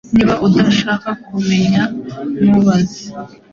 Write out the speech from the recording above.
Niba udashaka kumenya, ntubaze.